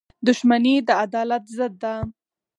• دښمني د عدالت ضد ده.